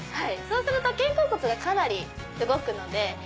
そうすると肩甲骨がかなり動くので。